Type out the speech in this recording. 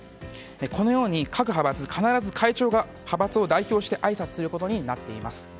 このように各派閥必ず会長が派閥を代表してあいさつすることになっています。